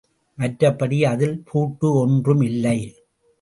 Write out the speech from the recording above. மற்றபடி அதில் பூட்டு ஒன்றும் இல்லை.